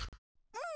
うん。